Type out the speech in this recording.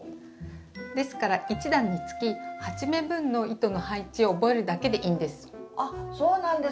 ですから１段につき８目分の糸の配置を覚えるだけでいいんです。